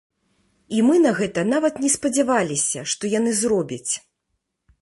І мы на гэта нават не спадзяваліся, што яны зробяць.